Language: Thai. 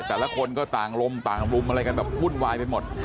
แต่ละคนก็ต่างลมต่างรุมอะไรกันแบบวุ่นวายไปหมด